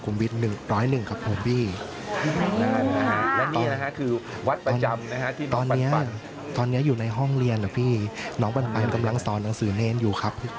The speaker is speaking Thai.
และนี่นะฮะคือวัดประจำนะฮะที่ตอนนี้อยู่ในห้องเรียนนะพี่น้องปันกำลังสอนหนังสือเนรอยู่ครับ